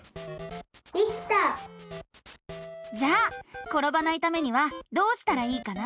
できた！じゃあころばないためにはどうしたらいいかな？